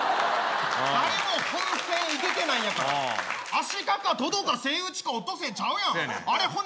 誰も本選いけてないんやからアシカかトドかセイウチかオットセイちゃうやんほな